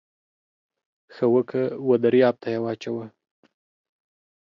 ښه وکه و درياب ته يې واچوه.